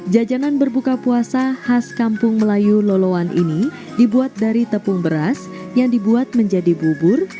jajanan berbuka puasa khas kampung melayu loloan ini dibuat dari tepung beras yang dibuat menjadi bubur